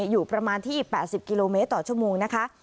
อยู่ประมาณที่๘๐กิโลเมตรต่อชั่วโมงนะคะ